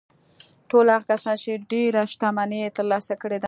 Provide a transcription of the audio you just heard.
ټول هغه کسان چې ډېره شتمني يې ترلاسه کړې ده.